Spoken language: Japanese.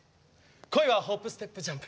「恋はホップステップジャンプ」。